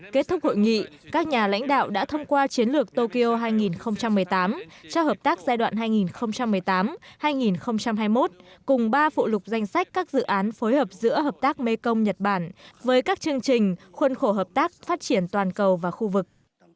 kết thúc hội nghị các nhà lãnh đạo đã thông qua chiến lược tokyo hai nghìn một mươi tám cho hợp tác giai đoạn hai nghìn một mươi tám hai nghìn hai mươi một cùng ba phụ lục danh sách các dự án phối hợp giữa hợp tác mekong nhật bản với các chương trình khuân khổ hợp tác phát triển toàn cầu và khu vực